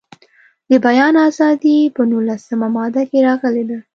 د بیان ازادي په نولسمه ماده کې راغلې ده.